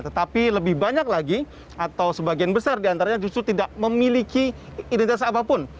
tetapi lebih banyak lagi atau sebagian besar diantaranya justru tidak memiliki identitas apapun